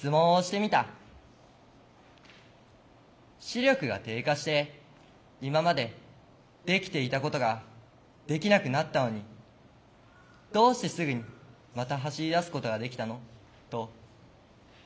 「視力が低下して今までできていたことができなくなったのにどうしてすぐにまた走りだすことができたの？」と。